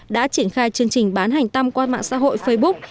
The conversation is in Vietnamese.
đã triển khai chương trình bán hành tâm qua mạng xã hội facebook